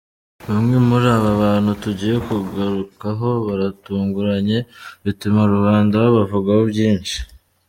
Bamwe muri aba bantu tugiye kugarukaho, baratunguranye bituma rubanda babavugaho byinshi.